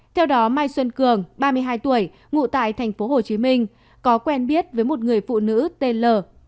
theo đó mai xuân cường ba mươi hai tuổi ngụ tại tp hcm có quen biết với một người phụ nữ tên l